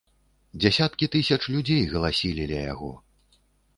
Дзясяткі тысяч людзей галасілі ля яго.